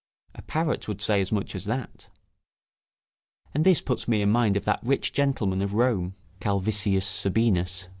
A parrot would say as much as that. And this puts me in mind of that rich gentleman of Rome, [Calvisius Sabinus.